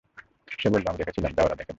সে বলল, আমি দেখেছিলাম যা ওরা দেখেনি।